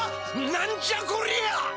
なんじゃこりゃ！